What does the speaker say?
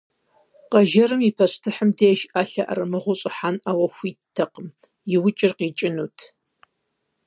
Къэжэрым и пащтыхьым деж ӏэлъэ ӏэрымыгъыу щӏыхьэнӏауэ хуиттэкъым – и укӏыр къикӏынут.